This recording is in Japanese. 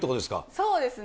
そうですね。